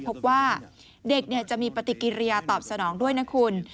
พบว่าเด็กจะมีปฏิกิริยาตอบสนองด้วยนะคุณ